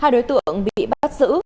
hai đối tượng bị bắt giữ